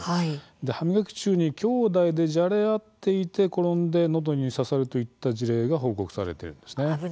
歯磨き中にきょうだいでじゃれ合っていて転んで、のどに刺さるといった事例が報告されているんです。